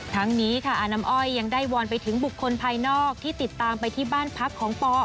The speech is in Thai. ทั้งนี้ค่ะอาน้ำอ้อยยังได้วอนไปถึงบุคคลภายนอกที่ติดตามไปที่บ้านพักของปอ